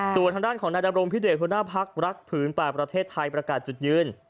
ส่วนทางด้านของนายดำรงพิเดชหัวหน้าพักรักผืนป่าประเทศไทยประกาศจุดยืน